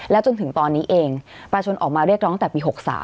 จนถึงตอนนี้เองประชาชนออกมาเรียกร้องตั้งแต่ปี๖๓